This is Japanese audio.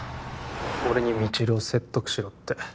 俺に未知留を説得しろって